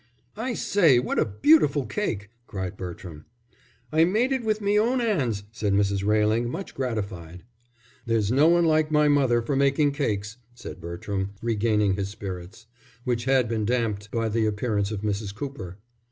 "I say, what a beautiful cake!" cried Bertram. "I made it with my own 'ands," said Mrs. Railing, much gratified. "There's no one like mother for making cakes," said Bertram, regaining his spirits, which had been damped by the appearance of Mrs. Cooper.